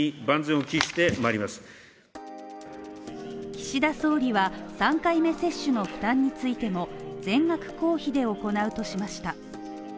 岸田総理は３回目接種の負担についても全額公費で行うとしました。